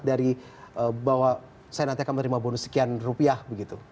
dari bahwa saya nanti akan menerima bonus sekian rupiah begitu